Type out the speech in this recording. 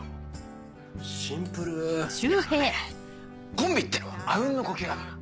コンビってのはあうんの呼吸だから。